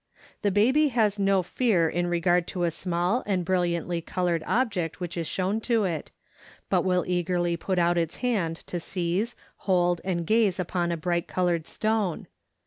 The baby has no fear in regard to a small and brilliantly colored object which is shown to it, but will eagerly put out its hand to seize, hold, and gaze upon a bright colored stone.